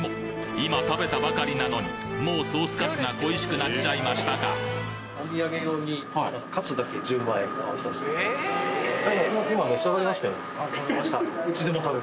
今食べたばかりなのにもうソースカツが恋しくなっちゃいましたかあ食べました。